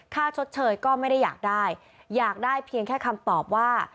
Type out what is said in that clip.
ชดเชยก็ไม่ได้อยากได้อยากได้เพียงแค่คำตอบว่า